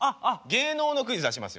芸能のクイズ出しますよ。